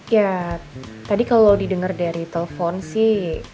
ya tadi kalau didenger dari telpon sih